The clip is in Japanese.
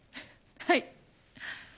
はい。